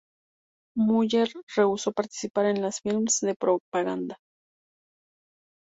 Müller rehusó participar en más films de propaganda.